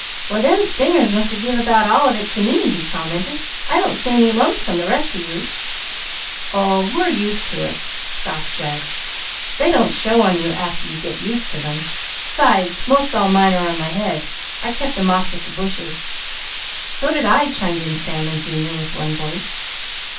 "Why them stingers must a give about all of it to me," he commented. "I don't see any lumps on the rest of you." "Oh we are used to it," scoffed Jud. "They don't show on you after you get used to them. 'Sides most all mine are on my head, I kept 'em off with the bushes." "So did I," chimed in Sam and Junior with one voice.